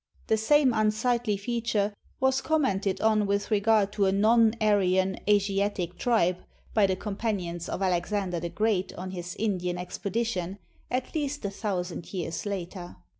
The same unsightly feature was commented on with regard to a non Ar}"an Asiatic tribe, b}' the companions of Alex ander the Great on his Indian expedition, at least a thousand years later.